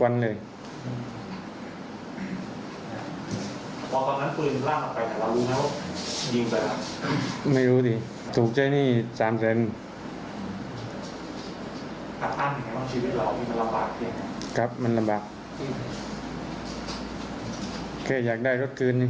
เมื่อกี้เราจะเอารถอันนี้เพื่อที่ไปขาย